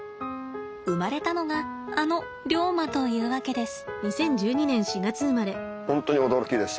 生まれたのがあのリョウマというわけです。